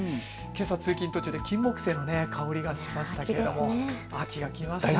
けさ通勤途中でキンモクセイの香りがしましたけれども秋が来ましたね。